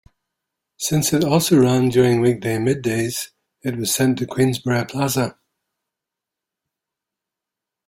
Since it also ran during weekday middays, it was sent to Queensboro Plaza.